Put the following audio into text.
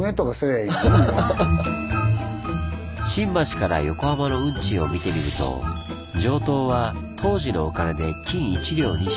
新橋から横浜の運賃を見てみると上等は当時のお金で「金一両二朱」